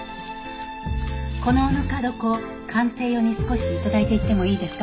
このぬか床鑑定用に少し頂いていってもいいですか？